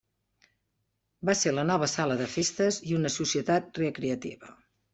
Va ser la nova sala de festes i una societat recreativa.